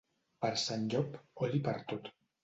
Per Sant Llop, oli per tot.